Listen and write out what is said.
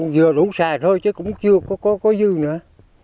vừa lũ xài thôi chứ cũng chưa có dư nữa